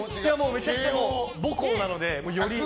めちゃくちゃ母校なので、より。